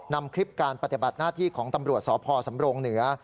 นำคลิปการปฏิบัติหน้าที่ของตำรวจสพสำรงเหนือ